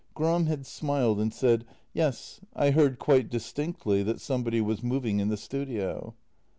Gram had smiled and said: " Yes, I heard quite distinctly that somebody was moving in the studio."